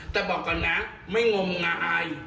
แต่บอกก่อนนะไม่งมไง